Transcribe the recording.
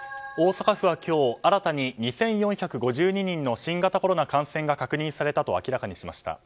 大阪府は今日新たに２４５２人の新型コロナ感染が確認されたと明らかにしました。